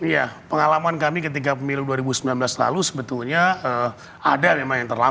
ya pengalaman kami ketika pemilu dua ribu sembilan belas lalu sebetulnya ada memang yang terlambat